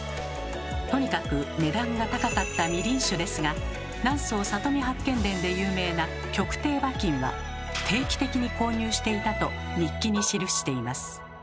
とにかく値段が高かったみりん酒ですが「南総里見八犬伝」で有名な曲亭馬琴は定期的に購入していたと日記に記しています。